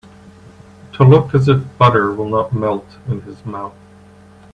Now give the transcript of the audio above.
To look as if butter will not melt in his mouth.